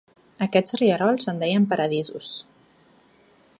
Aquests rierols, en deien "paradisos".